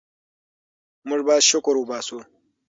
موږ باید شکر وباسو.